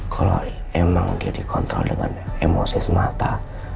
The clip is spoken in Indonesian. kalau emang dia dikontrol dengan emosi semata